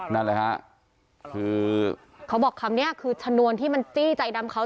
นั่นแหละฮะคือเขาบอกคำนี้คือชนวนที่มันจี้ใจดำเขา